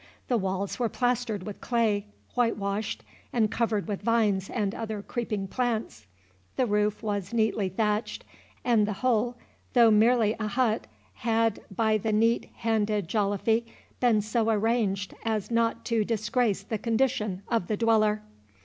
The walls were plastered with clay, white washed, and covered with vines and other creeping plants; the roof was neatly thatched, and the whole, though merely a hut, had, by the neat handed Joliffe, been so arranged as not to disgrace the condition of the dweller.